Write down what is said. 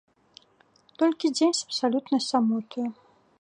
Толькі дзень з абсалютнай самотаю.